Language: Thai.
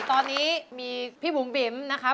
ตอนนี้มีพี่บุ๋มบิ๋มนะครับ